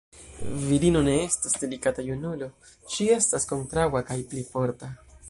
Virino ne estas delikata junulo, ŝi estas kontraŭa kaj pli forta.